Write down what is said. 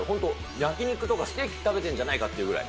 焼き肉とかステーキ食べてんじゃないかってぐらい。